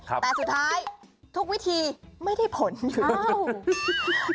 แต่สุดท้ายทุกวิธีไม่ได้ผลอยู่